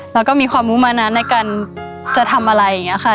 แล้วก็มีความรู้มานานในการจะทำอะไรอย่างนี้ค่ะ